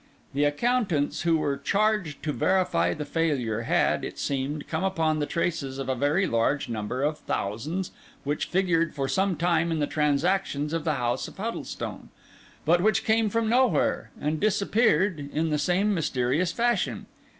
The accountants who were charged to verify the failure had, it seemed, come upon the traces of a very large number of thousands, which figured for some time in the transactions of the house of Huddlestone; but which came from nowhere, and disappeared in the same mysterious fashion.